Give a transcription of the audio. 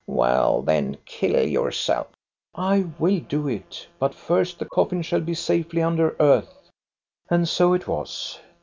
"Well, then, kill yourself!" I will do it ; but first the coffin shall be safely under earth." And so it was.